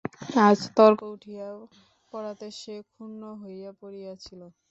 আজ তর্ক উঠিয়া পড়াতে সে ক্ষুণ্ন হইয়া পড়িয়াছিল।